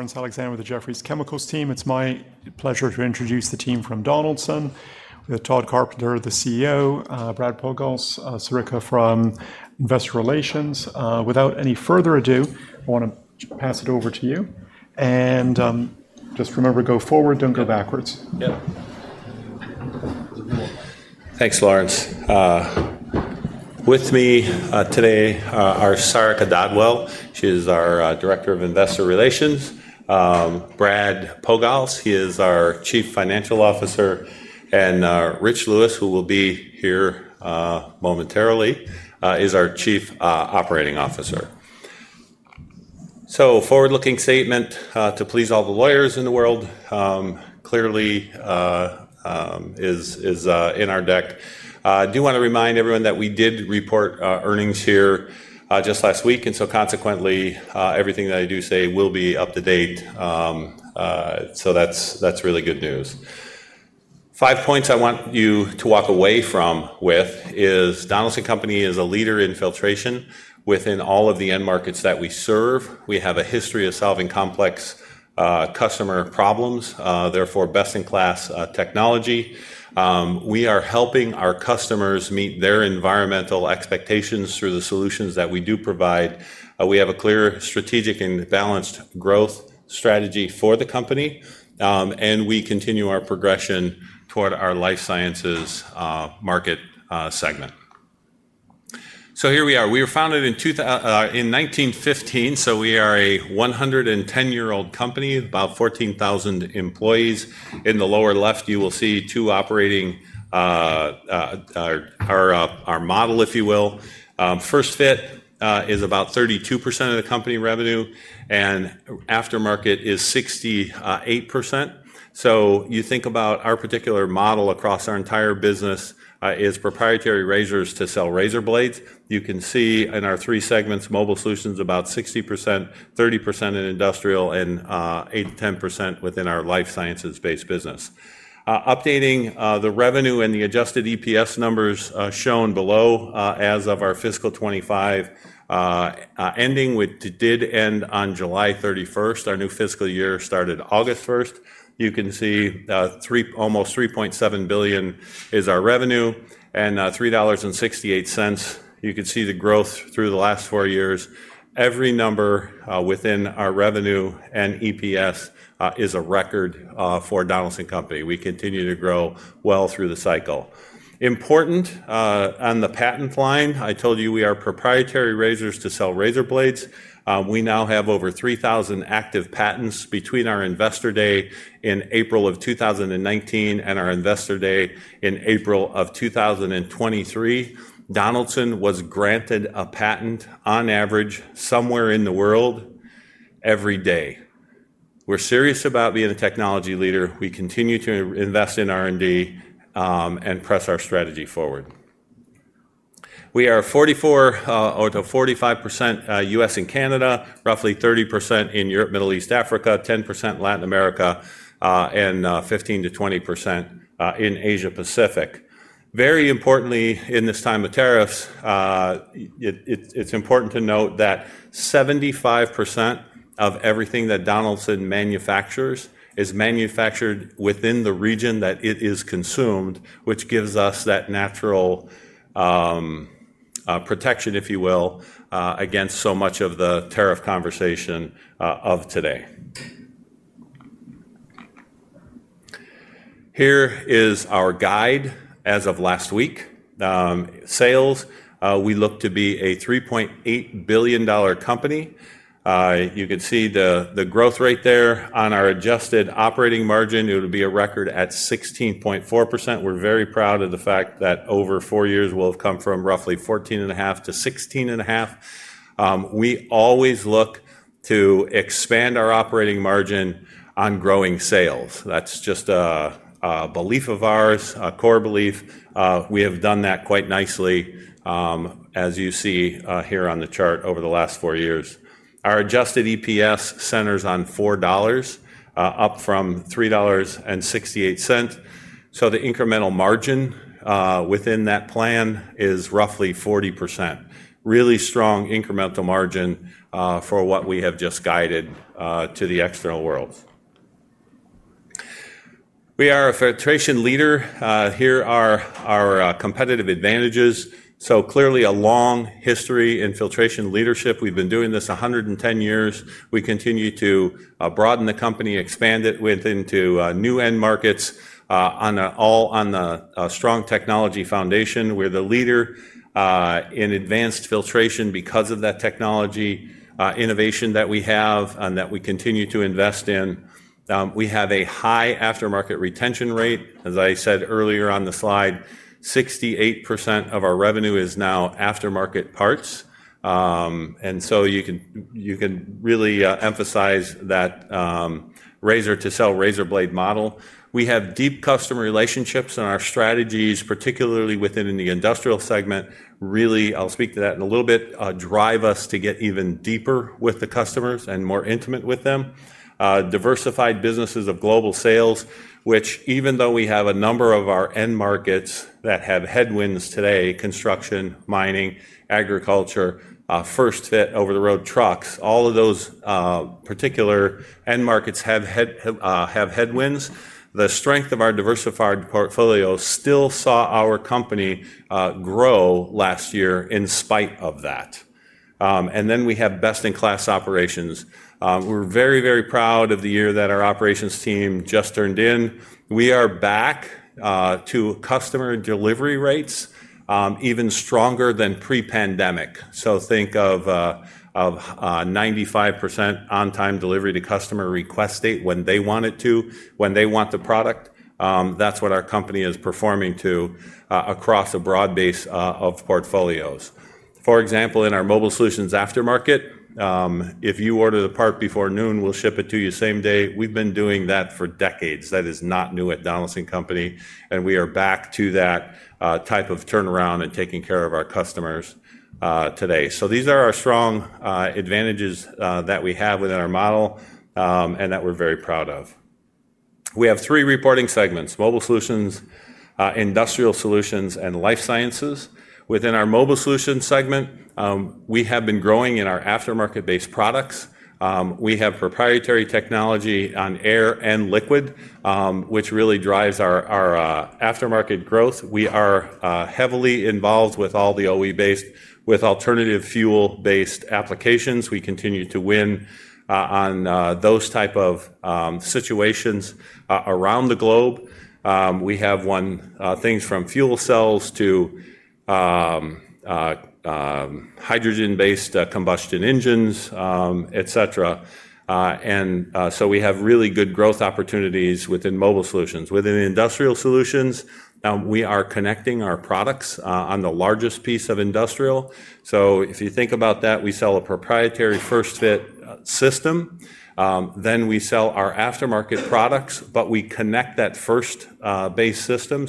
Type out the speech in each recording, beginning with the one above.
Laurence Alexander with the Jefferies Chemicals team. It's my pleasure to introduce the team from Donaldson. We have Tod E. Carpenter, the CEO, Brad Pogalz, Sarika Dhadwal from Investor Relations. Without any further ado, I want to pass it over to you. Just remember, go forward, don't go backwards. Yeah. Thanks, Laurence. With me today are Sarika Dhadwal, she is our Director of Investor Relations, Brad Pogalz, he is our Chief Financial Officer, and Richard Lewis, who will be here momentarily, is our Chief Operating Officer. Forward-looking statement, to please all the lawyers in the world, clearly is in our deck. I do want to remind everyone that we did report earnings here just last week, and consequently, everything that I do say will be up to date. That's really good news. Five points I want you to walk away from with is Donaldson Company is a leader in filtration within all of the end markets that we serve. We have a history of solving complex customer problems, therefore, best-in-class technology. We are helping our customers meet their environmental expectations through the solutions that we do provide. We have a clear, strategic, and balanced growth strategy for the company, and we continue our progression toward our Life Sciences market segment. Here we are. We were founded in 1915. We are a 110-year-old company, about 14,000 employees. In the lower left, you will see two operating, our model, if you will. First fit is about 32% of the company revenue, and aftermarket is 68%. You think about our particular model across our entire business, it is proprietary razors to sell razor blades. You can see in our three segments, Mobile Solutions about 60%, 30% in industrial, and 8%-10% within our Life Sciences-based business. Updating the revenue and the adjusted EPS numbers shown below, as of our fiscal 2025 ending, which did end on July 31st. Our new fiscal year started August 1st. You can see, almost $3.7 billion is our revenue and $3.68. You can see the growth through the last four years. Every number within our revenue and EPS is a record for Donaldson Company. We continue to grow well through the cycle. Important, on the patent line, I told you we are proprietary razors to sell razor blades. We now have over 3,000 active patents between our Investor Day in April of 2019 and our Investor Day in April of 2023. Donaldson was granted a patent on average somewhere in the world every day. We're serious about being a technology leader. We continue to invest in R&D and press our strategy forward. We are 44%- 45% U.S. and Canada, roughly 30% in Europe, Middle East, Africa, 10% in Latin America, and 15%- 20% in Asia Pacific. Very importantly, in this time of tariffs, it's important to note that 75% of everything that Donaldson manufactures is manufactured within the region that it is consumed, which gives us that natural protection, if you will, against so much of the tariff conversation of today. Here is our guide as of last week. Sales, we look to be a $3.8 billion company. You can see the growth rate there on our adjusted operating margin. It would be a record at 16.4%. We're very proud of the fact that over four years we'll have come from roughly 14.5%- 16.5%. We always look to expand our operating margin on growing sales. That's just a belief of ours, a core belief. We have done that quite nicely, as you see here on the chart over the last four years. Our adjusted EPS centers on $4, up from $3.68. The incremental margin within that plan is roughly 40%. Really strong incremental margin for what we have just guided to the external world. We are a filtration leader. Here are our competitive advantages. Clearly a long history in filtration leadership. We've been doing this 110 years. We continue to broaden the company, expand it within to new end markets, all on the strong technology foundation. We're the leader in advanced filtration because of that technology innovation that we have and that we continue to invest in. We have a high aftermarket retention rate. As I said earlier on the slide, 68% of our revenue is now aftermarket parts, and so you can really emphasize that razor to sell razor blade model. We have deep customer relationships in our strategies, particularly within the industrial segment. Really, I'll speak to that in a little bit, drive us to get even deeper with the customers and more intimate with them. Diversified businesses of global sales, which even though we have a number of our end markets that have headwinds today, construction, mining, agriculture, first fit, over-the-road trucks, all of those particular end markets have headwinds. The strength of our diversified portfolio still saw our company grow last year in spite of that. We have best-in-class operations. We're very, very proud of the year that our operations team just turned in. We are back to customer delivery rates, even stronger than pre-pandemic. Think of 95% on-time delivery to customer request date when they want it, when they want the product. That's what our company is performing to, across a broad base of portfolios. For example, in our Mobile Solutions aftermarket, if you order the part before noon, we'll ship it to you same day. We've been doing that for decades. That is not new at Donaldson Company, and we are back to that type of turnaround and taking care of our customers today. These are our strong advantages that we have within our model, and that we're very proud of. We have three reporting segments: Mobile Solutions, Industrial Solutions, and Life Sciences. Within our Mobile Solutions segment, we have been growing in our aftermarket-based products. We have proprietary technology on air and liquid, which really drives our aftermarket growth. We are heavily involved with all the OE-based, with alternative fuel-based applications. We continue to win on those type of situations around the globe. We have won things from fuel cells to hydrogen-based combustion engines, et cetera. We have really good growth opportunities within Mobile Solutions. Within Industrial Solutions, we are connecting our products on the largest piece of industrial. If you think about that, we sell a proprietary first fit system. Then we sell our aftermarket products, but we connect that first base system.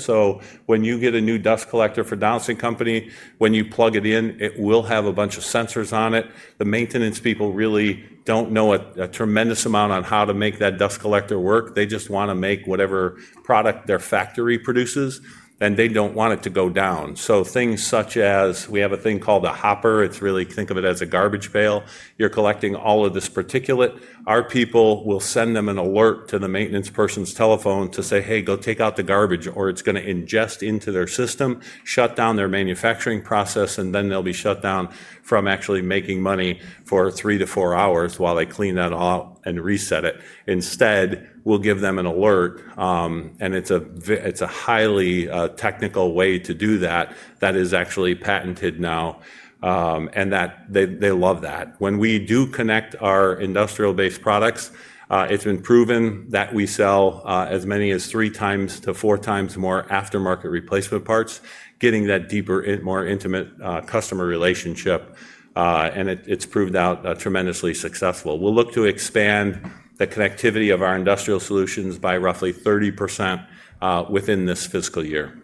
When you get a new dust collector for Donaldson Company, when you plug it in, it will have a bunch of sensors on it. The maintenance people really don't know a tremendous amount on how to make that dust collector work. They just want to make whatever product their factory produces, and they don't want it to go down. Things such as, we have a thing called a hopper. It's really, think of it as a garbage pail. You're collecting all of this particulate. Our people will send them an alert to the maintenance person's telephone to say, "Hey, go take out the garbage," or it's going to ingest into their system, shut down their manufacturing process, and then they'll be shut down from actually making money for three to four hours while they clean that all and reset it. Instead, we'll give them an alert, and it's a highly technical way to do that that is actually patented now, and they love that. When we do connect our industrial-based products, it's been proven that we sell as many as three times to four times more aftermarket replacement parts, getting that deeper and more intimate customer relationship, and it's proved out tremendously successful. We'll look to expand the connectivity of our Industrial Solutions by roughly 30% within this fiscal year.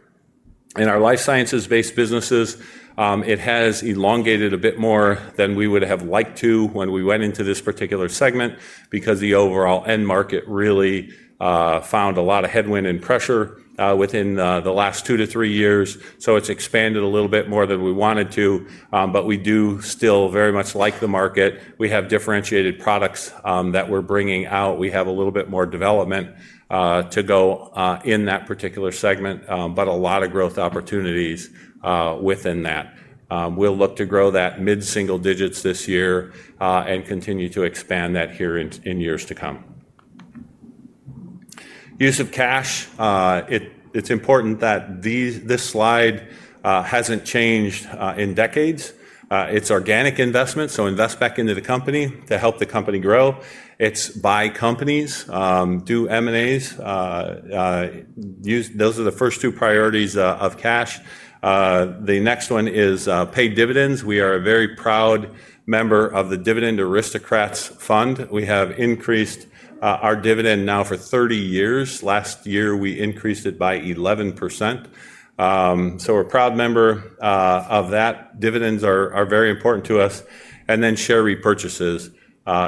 In our Life Sciences-based businesses, it has elongated a bit more than we would have liked to when we went into this particular segment because the overall end market really found a lot of headwind and pressure within the last two to three years. It's expanded a little bit more than we wanted to, but we do still very much like the market. We have differentiated products that we're bringing out. We have a little bit more development to go in that particular segment, but a lot of growth opportunities within that. We'll look to grow that mid-single digits this year and continue to expand that here in years to come. Use of cash, it's important that this slide hasn't changed in decades. It's organic investment, so invest back into the company to help the company grow. It's buy companies, do M&A, those are the first two priorities of cash. The next one is paid dividends. We are a very proud member of the Dividend Aristocrats Fund. We have increased our dividend now for 30 years. Last year, we increased it by 11%. We're a proud member of that. Dividends are very important to us. Then share repurchases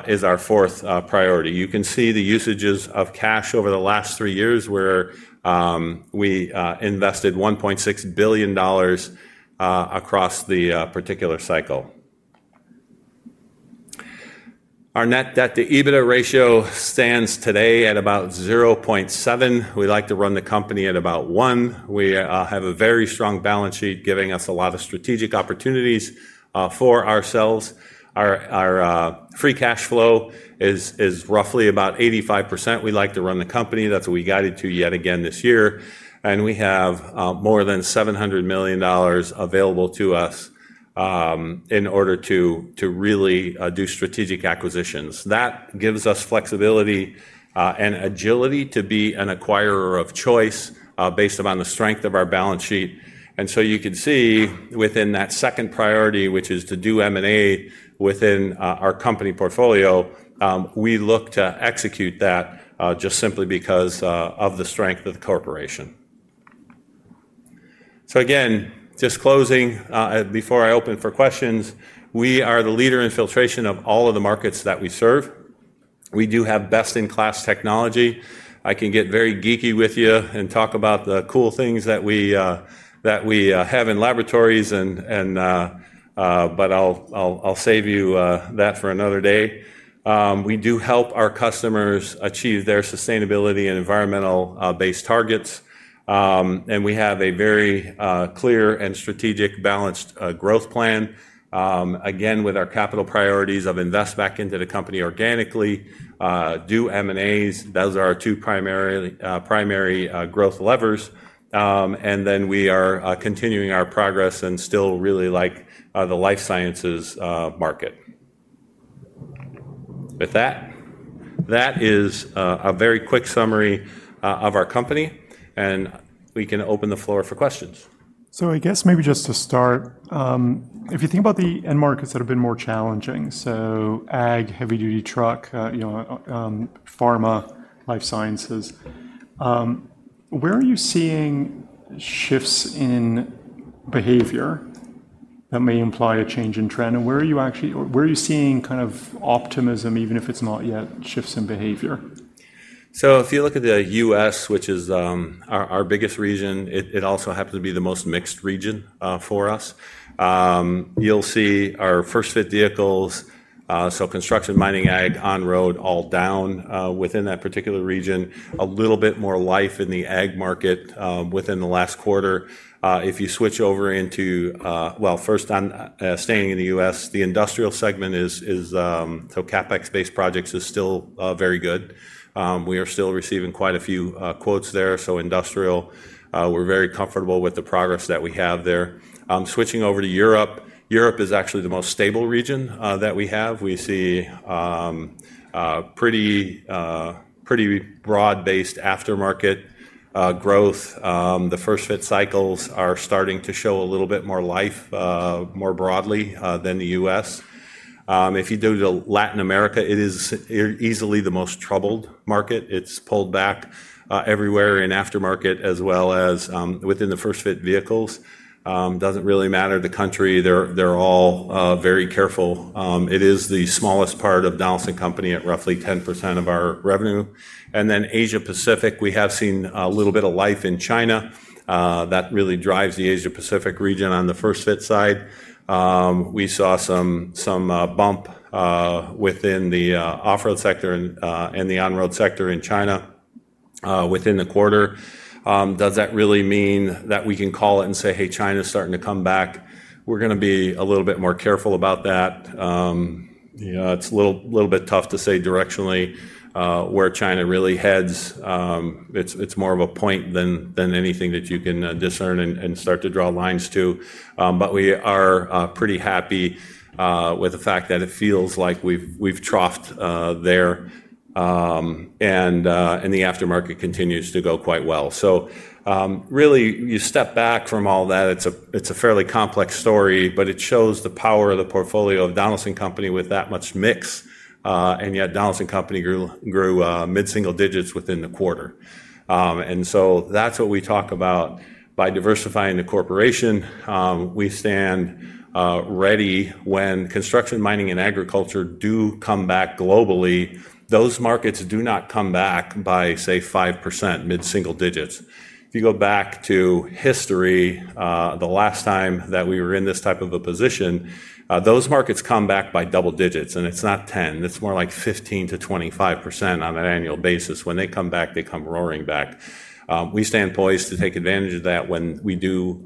is our fourth priority. You can see the usages of cash over the last three years where we invested $1.6 billion across the particular cycle. Our net debt/EBITDA ratio stands today at about 0.7. We like to run the company at about 1. We have a very strong balance sheet giving us a lot of strategic opportunities for ourselves. Our free cash flow is roughly about 85%. We like to run the company. That's what we guided to yet again this year. We have more than $700 million available to us in order to really do strategic acquisitions. That gives us flexibility and agility to be an acquirer of choice based upon the strength of our balance sheet. You can see within that second priority, which is to do M&A within our company portfolio, we look to execute that just simply because of the strength of the corporation. Again, just closing before I open for questions, we are the leader in filtration of all of the markets that we serve. We do have best-in-class technology. I can get very geeky with you and talk about the cool things that we have in laboratories, but I'll save you that for another day. We do help our customers achieve their sustainability and environmental-based targets. We have a very clear and strategic, balanced growth plan, with our capital priorities of investing back into the company organically and doing M&As. Those are our two primary growth levers. We are continuing our progress and still really like the Life Sciences market. With that, that is a very quick summary of our company. We can open the floor for questions. If you think about the end markets that have been more challenging, like ag, heavy-duty truck, pharma, Life Sciences, where are you seeing shifts in behavior that may imply a change in trend? Where are you actually seeing kind of optimism, even if it's not yet shifts in behavior? If you look at the U.S., which is our biggest region, it also happens to be the most mixed region for us. You'll see our first fit vehicles, so construction, mining, ag, on-road, all down within that particular region, a little bit more life in the ag market within the last quarter. Staying in the U.S., the industrial segment is CapEx-based projects, still very good. We are still receiving quite a few quotes there. Industrial, we're very comfortable with the progress that we have there. Switching over to Europe, Europe is actually the most stable region that we have. We see pretty broad-based aftermarket growth. The first fit cycles are starting to show a little bit more life, more broadly, than the U.S. If you go to Latin America, it is easily the most troubled market. It's pulled back everywhere in aftermarket as well as within the first fit vehicles. Doesn't really matter the country. They're all very careful. It is the smallest part of Donaldson Company at roughly 10% of our revenue. Asia Pacific, we have seen a little bit of life in China that really drives the Asia Pacific region on the first fit side. We saw some bump within the off-road sector and the on-road sector in China within the quarter. Does that really mean that we can call it and say, "Hey, China's starting to come back?" We're going to be a little bit more careful about that. It's a little bit tough to say directionally where China really heads. It's more of a point than anything that you can discern and start to draw lines to. We are pretty happy with the fact that it feels like we've troughed there, and the aftermarket continues to go quite well. You step back from all that. It's a fairly complex story, but it shows the power of the portfolio of Donaldson Company with that much mix, and yet Donaldson Company grew mid-single digits within the quarter. That's what we talk about by diversifying the corporation. We stand ready when construction, mining, and agriculture do come back globally. Those markets do not come back by, say, 5% mid-single digits. If you go back to history, the last time that we were in this type of a position, those markets come back by double digits, and it's not 10%. It's more like 15%- 25% on an annual basis. When they come back, they come roaring back. We stand poised to take advantage of that when we do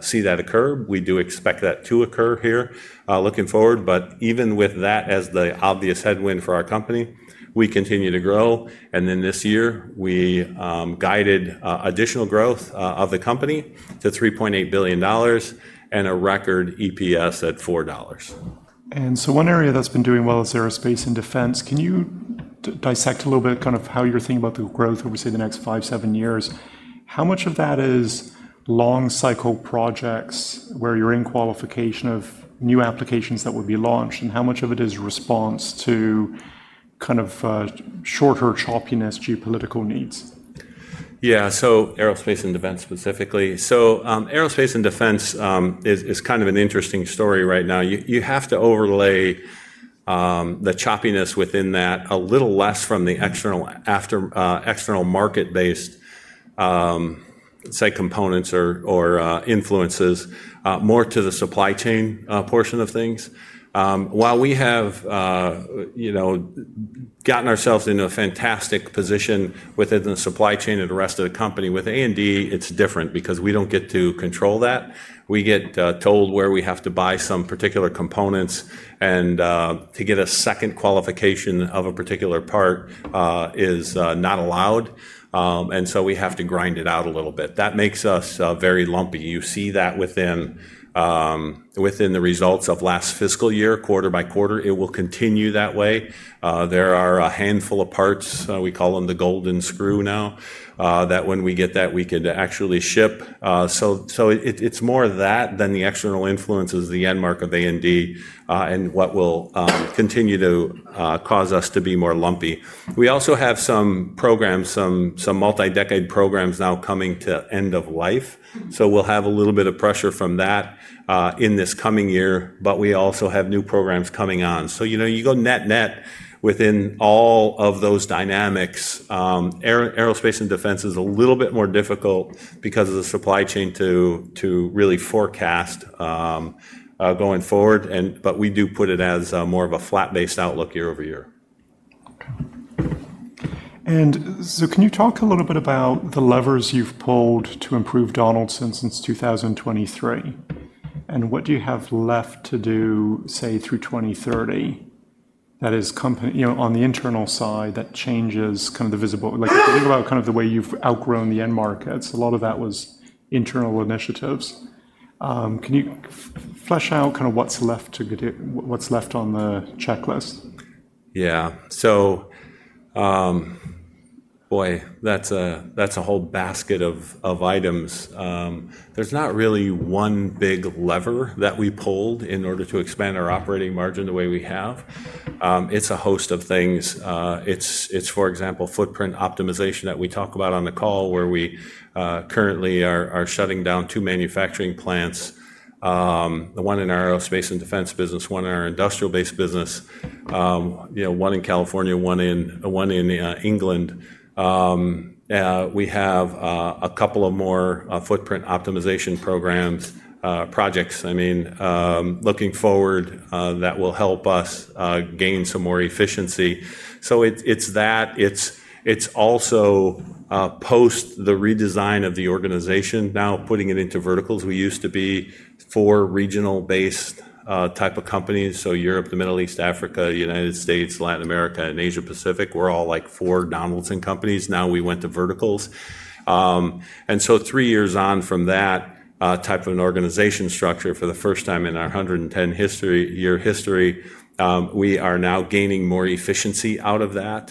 see that occur. We do expect that to occur here, looking forward. Even with that as the obvious headwind for our company, we continue to grow. This year, we guided additional growth of the company to $3.8 billion and a record EPS at $4. One area that's been doing well is aerospace and defense. Can you dissect a little bit how you're thinking about the growth over, say, the next five, seven years? How much of that is long-cycle projects where you're in qualification of new applications that would be launched? How much of it is response to shorter choppiness, geopolitical needs? Yeah, so aerospace and defense specifically. Aerospace and defense is kind of an interesting story right now. You have to overlay the choppiness within that a little less from the external, after, external market-based components or influences, more to the supply chain portion of things. While we have gotten ourselves into a fantastic position within the supply chain of the rest of the company, with A&D it's different because we don't get to control that. We get told where we have to buy some particular components, and to get a second qualification of a particular part is not allowed. We have to grind it out a little bit. That makes us very lumpy. You see that within the results of last fiscal year, quarter by quarter, it will continue that way. There are a handful of parts, we call them the golden screw now, that when we get that, we could actually ship. It's more of that than the external influences, the end mark of A&D, and what will continue to cause us to be more lumpy. We also have some programs, some multi-decade programs now coming to end of life. We'll have a little bit of pressure from that in this coming year, but we also have new programs coming on. You go net net within all of those dynamics. Aerospace and defense is a little bit more difficult because of the supply chain to really forecast going forward. We do put it as more of a flat-based outlook year over year. Can you talk a little bit about the levers you've pulled to improve Donaldson since 2023? What do you have left to do, say, through 2030? That is company, you know, on the internal side that changes kind of the visible. If you think about kind of the way you've outgrown the end markets, a lot of that was internal initiatives. Can you flesh out kind of what's left to get, what's left on the checklist? Yeah, that's a whole basket of items. There's not really one big lever that we pulled in order to expand our operating margin the way we have. It's a host of things. It's, for example, footprint optimization that we talk about on the call where we currently are shutting down two manufacturing plants, one in our aerospace and defense business, one in our industrial-based business, one in California, one in England. We have a couple more footprint optimization programs, projects, looking forward, that will help us gain some more efficiency. It's that, it's also, post the redesign of the organization, now putting it into verticals. We used to be four regional-based type of companies. Europe, the Middle East, Africa, United States, Latin America, and Asia Pacific were all like four Donaldson Companies. Now we went to verticals, and three years on from that type of an organization structure, for the first time in our 110-year history, we are now gaining more efficiency out of that.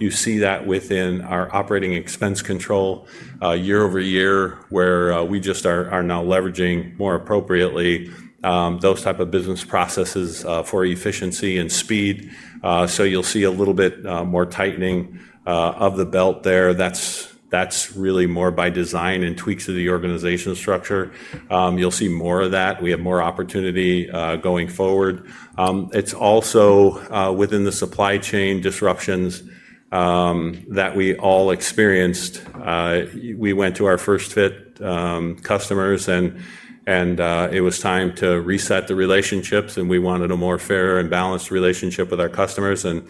You see that within our operating expense control, year over year, where we just are now leveraging more appropriately those type of business processes for efficiency and speed. You'll see a little bit more tightening of the belt there. That's really more by design and tweaks of the organization structure. You'll see more of that. We have more opportunity going forward. It's also within the supply chain disruptions that we all experienced. We went to our first fit customers, and it was time to reset the relationships, and we wanted a more fair and balanced relationship with our customers. We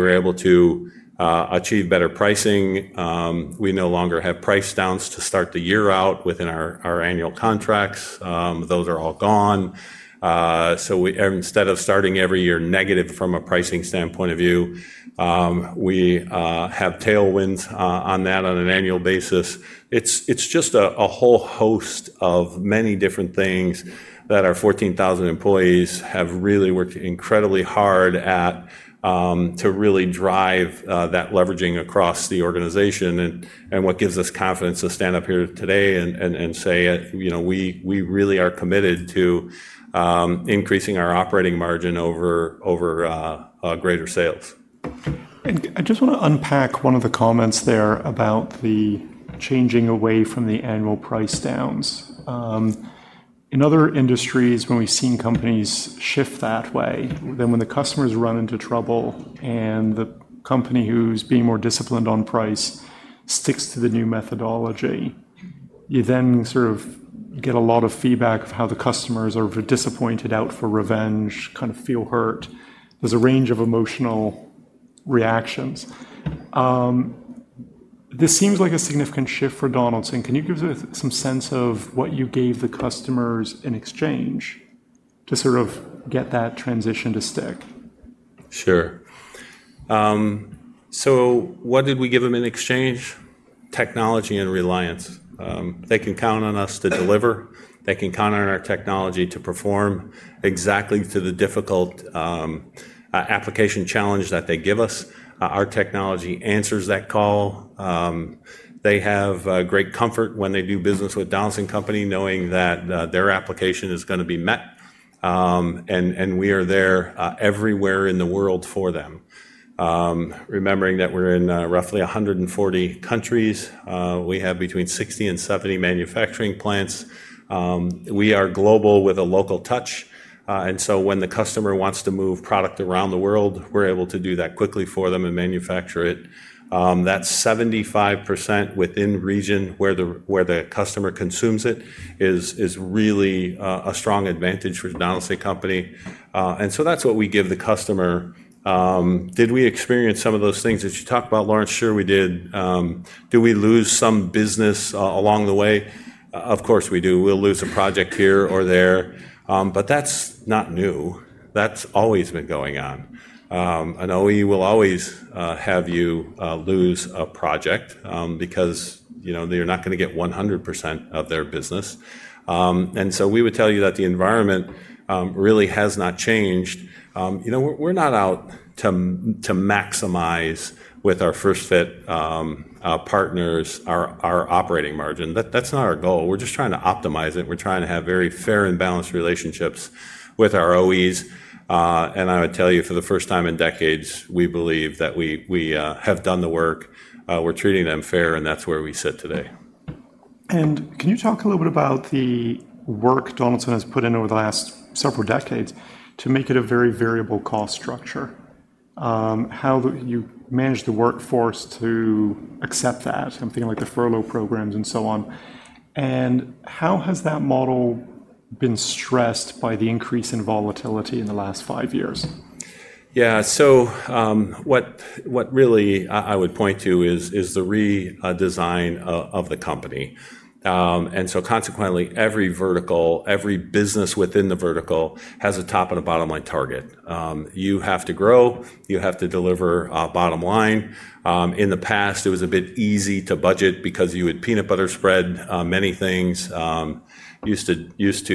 were able to achieve better pricing. We no longer have price-downs to start the year out within our annual contracts. Those are all gone. Instead of starting every year negative from a pricing standpoint, we have tailwinds on that on an annual basis. It's just a whole host of many different things that our 14,000 employees have really worked incredibly hard at to really drive that leveraging across the organization. What gives us confidence to stand up here today and say it, we really are committed to increasing our operating margin over greater sales. I just want to unpack one of the comments there about the changing away from the annual price-downs. In other industries, when we've seen companies shift that way, when the customers run into trouble and the company who's being more disciplined on price sticks to the new methodology, you then sort of get a lot of feedback of how the customers are disappointed, out for revenge, kind of feel hurt. There's a range of emotional reactions. This seems like a significant shift for Donaldson Can you give us some sense of what you gave the customers in exchange to sort of get that transition to stick? Sure. So what did we give them in exchange? Technology and reliance. They can count on us to deliver. They can count on our technology to perform exactly to the difficult application challenge that they give us. Our technology answers that call. They have great comfort when they do business with Donaldson Company knowing that their application is going to be met. We are there, everywhere in the world for them. Remembering that we're in roughly 140 countries, we have between 60 and 70 manufacturing plants. We are global with a local touch. When the customer wants to move product around the world, we're able to do that quickly for them and manufacture it. That 75% within region where the customer consumes it is really a strong advantage for Donaldson Company. That's what we give the customer. Did we experience some of those things that you talked about, Laurence? Sure, we did. Do we lose some business along the way? Of course we do. We'll lose a project here or there, but that's not new. That's always been going on. An OE will always have you lose a project because, you know, they're not going to get 100% of their business. We would tell you that the environment really has not changed. You know, we're not out to maximize with our first fit partners our operating margin. That's not our goal. We're just trying to optimize it. We're trying to have very fair and balanced relationships with our OEs. I would tell you for the first time in decades, we believe that we have done the work. We're treating them fair and that's where we sit today. Can you talk a little bit about the work Donaldson has put in over the last several decades to make it a very variable cost structure? How you manage the workforce to accept that, I'm thinking like the furlough programs and so on. How has that model been stressed by the increase in volatility in the last five years? Yeah, so what I would really point to is the redesign of the company. Consequently, every vertical, every business within the vertical has a top and a bottom line target. You have to grow, you have to deliver bottom line. In the past, it was a bit easy to budget because you would peanut butter spread many things. That used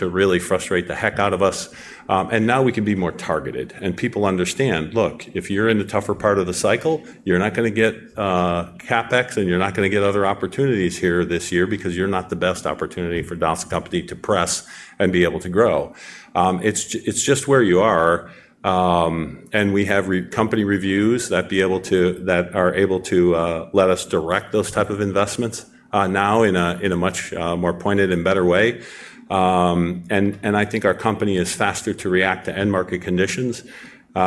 to really frustrate the heck out of us. Now we can be more targeted and people understand, look, if you're in the tougher part of the cycle, you're not going to get CapEx and you're not going to get other opportunities here this year because you're not the best opportunity for Donaldson Company to press and be able to grow. It's just where you are. We have company reviews that are able to let us direct those types of investments now in a much more pointed and better way. I think our company is faster to react to end market conditions. We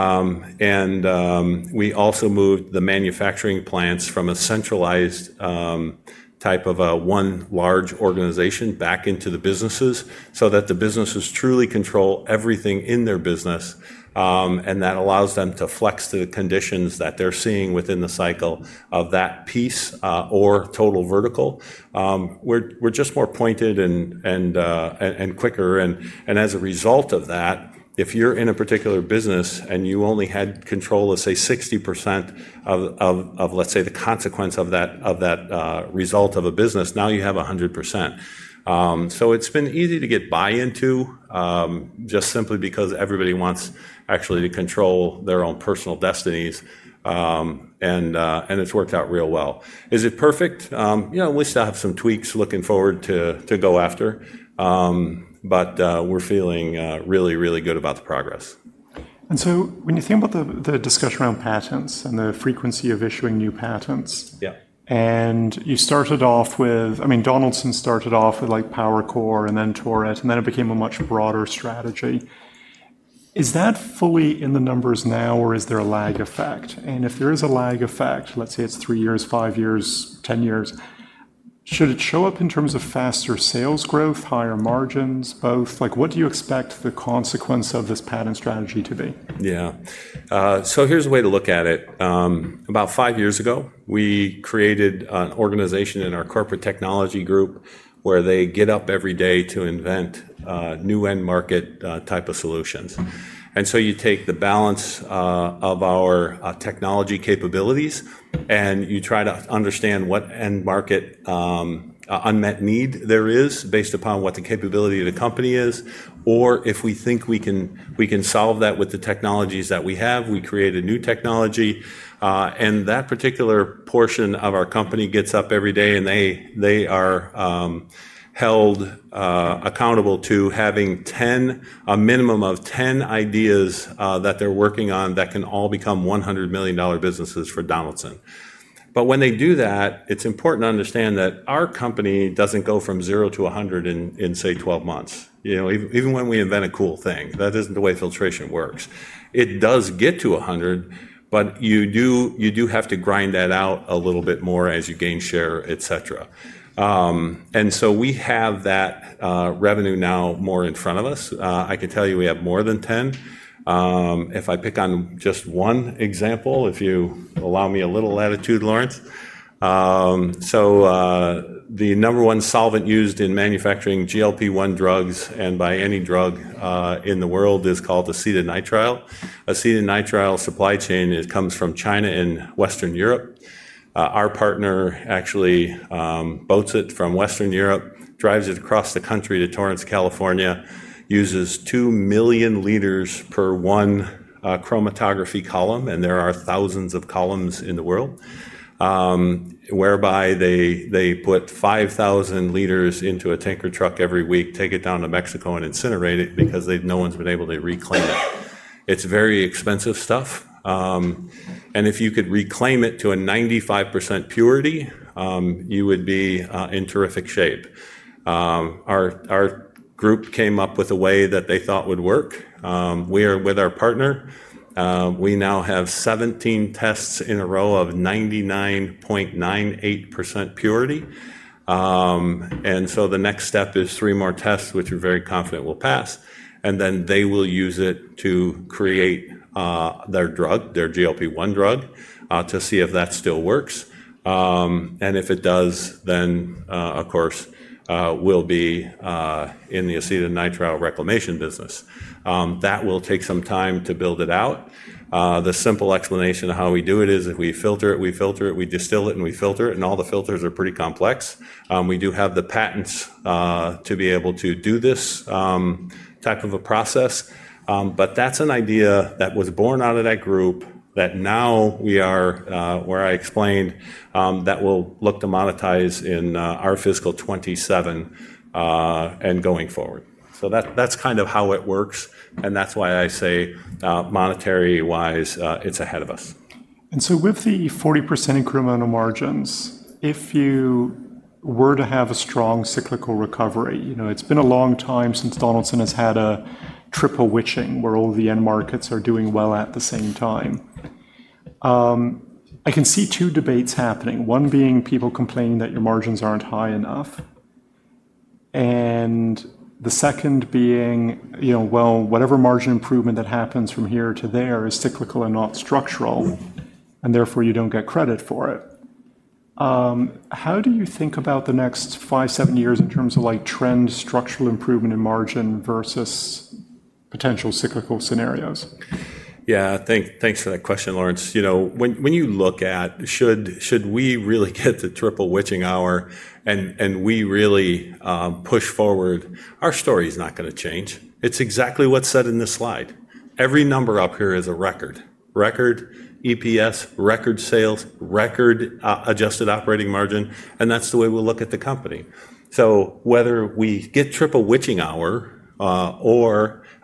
also moved the manufacturing plants from a centralized type of one large organization back into the businesses so that the businesses truly control everything in their business. That allows them to flex to the conditions that they're seeing within the cycle of that piece or total vertical. We're just more pointed and quicker. As a result of that, if you're in a particular business and you only had control of, say, 60% of, let's say, the consequence of that result of a business, now you have 100%. It's been easy to get buy-in just simply because everybody wants actually to control their own personal destinies, and it's worked out real well. Is it perfect? You know, we still have some tweaks looking forward to go after, but we're feeling really, really good about the progress. When you think about the discussion around patents and the frequency of issuing new patents. Yeah. Donaldson started off with like PowerCore and then Torit, and then it became a much broader strategy. Is that fully in the numbers now, or is there a lag effect? If there is a lag effect, let's say it's three years, five years, 10 years, should it show up in terms of faster sales growth, higher margins, both? What do you expect the consequence of this patent strategy to be? Yeah. Here's a way to look at it. About five years ago, we created an organization in our Corporate Technology group where they get up every day to invent new end market type of solutions. You take the balance of our technology capabilities and you try to understand what end market unmet need there is based upon what the capability of the company is, or if we think we can solve that with the technologies that we have, we create a new technology. That particular portion of our company gets up every day and they are held accountable to having a minimum of 10 ideas that they're working on that can all become $100 million businesses for Donaldson. When they do that, it's important to understand that our company doesn't go from 0- 100 in, say, 12 months. Even when we invent a cool thing, that isn't the way filtration works. It does get to 100, but you do have to grind that out a little bit more as you gain share, etc. We have that revenue now more in front of us. I could tell you we have more than 10. If I pick on just one example, if you allow me a little latitude, Laurence. The number one solvent used in manufacturing GLP-1 drugs, and by any drug, in the world is called acetonitrile. Acetonitrile supply chain comes from China and Western Europe. Our partner actually boats it from Western Europe, drives it across the country to Torrance, California, uses 2 million L per one chromatography column, and there are thousands of columns in the world, whereby they put 5,000 L into a tanker truck every week, take it down to Mexico and incinerate it because no one's been able to reclaim it. It's very expensive stuff. If you could reclaim it to a 95% purity, you would be in terrific shape. Our group came up with a way that they thought would work. We are with our partner. We now have 17 tests in a row of 99.98% purity. The next step is three more tests, which we're very confident will pass. They will use it to create their drug, their GLP-1 drug, to see if that still works. If it does, then, of course, we'll be in the acetonitrile reclamation business. That will take some time to build it out. The simple explanation of how we do it is if we filter it, we filter it, we distill it, and we filter it, and all the filters are pretty complex. We do have the patents to be able to do this type of a process. That's an idea that was born out of that group that now we are, where I explained, that we'll look to monetize in our fiscal 2027 and going forward. That's kind of how it works. That's why I say, monetary-wise, it's ahead of us. With the 40% incremental margins, if you were to have a strong cyclical recovery, it's been a long time since Donaldson has had a triple witching where all the end markets are doing well at the same time. I can see two debates happening. One being people complaining that your margins aren't high enough. The second being, whatever margin improvement that happens from here to there is cyclical and not structural, and therefore you don't get credit for it. How do you think about the next five, seven years in terms of trend structural improvement in margin versus potential cyclical scenarios? Yeah, thanks for that question, Laurence. When you look at, should we really get to triple witching hour and we really push forward, our story is not going to change. It's exactly what's said in this slide. Every number up here is a record: record EPS, record sales, record adjusted operating margin, and that's the way we'll look at the company. Whether we get triple witching hour,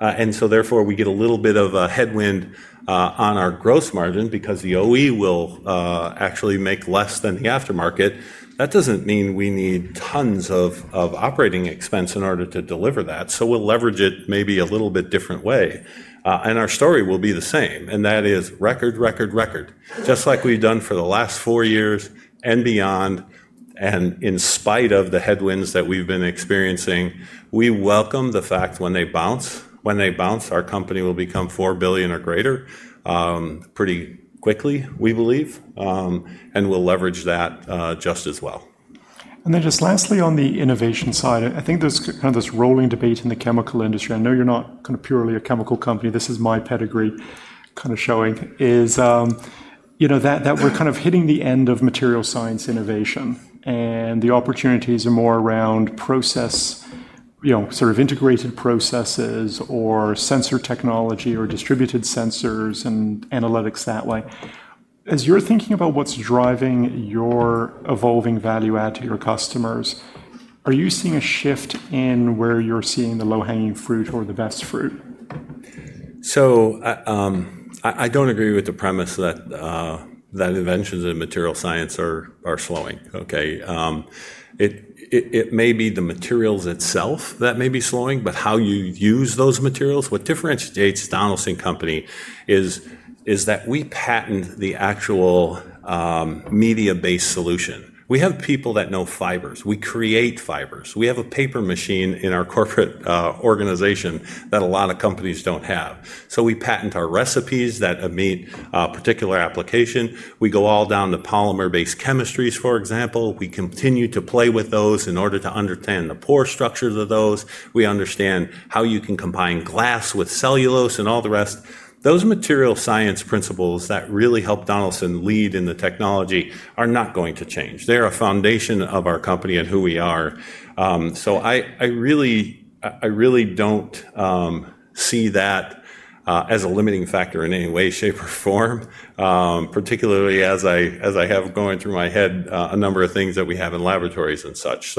and so therefore we get a little bit of a headwind on our gross margin because the OE will actually make less than the aftermarket, that doesn't mean we need tons of operating expense in order to deliver that. We'll leverage it maybe a little bit different way, and our story will be the same, and that is record, record, record. Just like we've done for the last four years and beyond. In spite of the headwinds that we've been experiencing, we welcome the fact when they bounce, when they bounce, our company will become $4 billion or greater pretty quickly, we believe, and we'll leverage that just as well. Lastly, on the innovation side, I think there's kind of this rolling debate in the chemical industry. I know you're not kind of purely a chemical company. This is my pedigree kind of showing, that we're kind of hitting the end of material science innovation and the opportunities are more around process, sort of integrated processes or sensor technology or distributed sensors and analytics that way. As you're thinking about what's driving your evolving value add to your customers, are you seeing a shift in where you're seeing the low-hanging fruit or the best fruit? I don't agree with the premise that inventions in material science are slowing. It may be the materials themselves that may be slowing, but how you use those materials, what differentiates Donaldson Company is that we patent the actual media-based solution. We have people that know fibers. We create fibers. We have a paper machine in our corporate organization that a lot of companies don't have. We patent our recipes that meet particular applications. We go all down to polymer-based chemistries, for example. We continue to play with those in order to understand the pore structures of those. We understand how you can combine glass with cellulose and all the rest. Those material science principles that really help Donaldson lead in the technology are not going to change. They're a foundation of our company and who we are. I really don't see that as a limiting factor in any way, shape, or form, particularly as I have going through my head a number of things that we have in laboratories and such.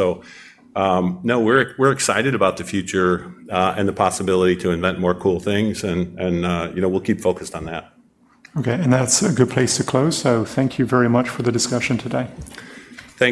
We're excited about the future and the possibility to invent more cool things. You know, we'll keep focused on that. Okay, that's a good place to close. Thank you very much for the discussion today. Thanks.